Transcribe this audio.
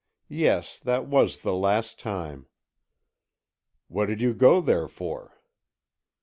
"Yes, that was the last time." "What did you go there for?"